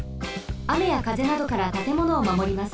あめやかぜなどからたてものをまもります。